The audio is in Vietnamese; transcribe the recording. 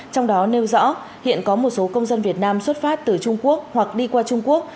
trong đó nêu rõ hiện có một số công dân việt nam xuất phát từ trung quốc hoặc đi qua trung quốc